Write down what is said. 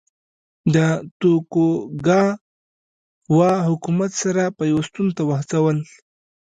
د توکوګاوا حکومت سره پیوستون ته وهڅول.